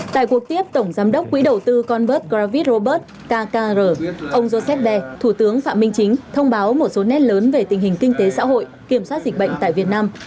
tại cuộc tiếp tổng giám đốc quỹ đầu tư conbert gravit robert kkr ông joseppe thủ tướng phạm minh chính thông báo một số nét lớn về tình hình kinh tế xã hội kiểm soát dịch bệnh tại việt nam